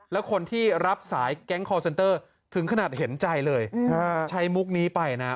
แล้วคนที่รับสายแก๊งคอร์เซนเตอร์ถึงขนาดเห็นใจเลยใช้มุกนี้ไปนะ